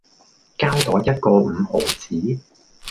膠袋一個五毫子